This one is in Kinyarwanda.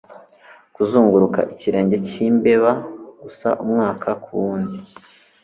Kuzunguruka ikirenge cyimbeba gusa umwaka kuwundi